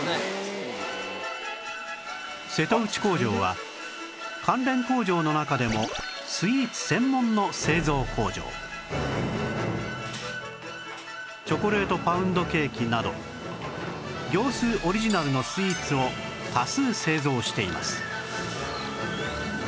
瀬戸内工場は関連工場の中でもチョコレートパウンドケーキなど業スーオリジナルのスイーツを多数製造しています